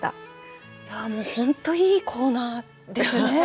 ああもう本当いいコーナーですね。